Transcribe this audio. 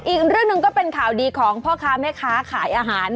อีกเรื่องหนึ่งก็เป็นข่าวดีของพ่อค้าแม่ค้าขายอาหาร